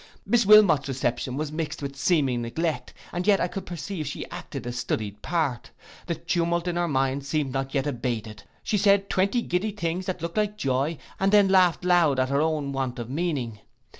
Miss Wilmot's reception was mixed with seeming neglect, and yet I could perceive she acted a studied part. The tumult in her mind seemed not yet abated; she said twenty giddy things that looked like joy, and then laughed loud at her own want of meaning.